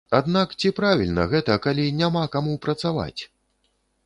Аднак ці правільна гэта, калі няма каму працаваць?!